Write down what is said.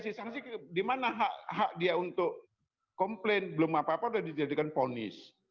sanksi dimana hak dia untuk komplain belum apa apa udah dijadikan ponis